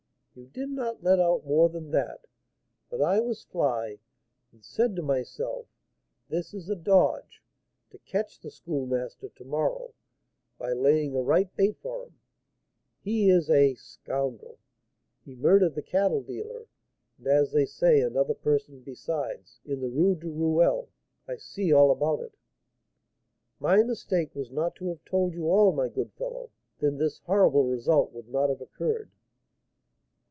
You did not let out more than that, but I was 'fly,' and said to myself, 'This is a "dodge" to catch the Schoolmaster to morrow, by laying a right bait for him. He is a scoundrel; he murdered the cattle dealer, and, as they say, another person besides, in the Rue du Roule. I see all about it '" Receiver of stolen goods. "My mistake was not to have told you all, my good fellow; then this horrible result would not have occurred."